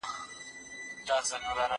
زه به ليک لوستی وي؟!